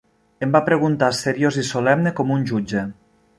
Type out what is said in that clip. Em va preguntar, seriós i solemne com un jutge.